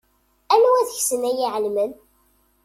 Anwa deg-sen i iɛelmen?